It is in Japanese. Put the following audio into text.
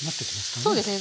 そうですね。